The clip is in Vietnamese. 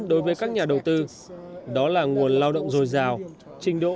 đối với các nhà đầu tư đó là nguồn lao động dồi dào trình độ